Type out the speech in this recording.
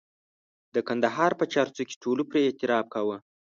د کندهار په چارسو کې ټولو پرې اعتراف کاوه.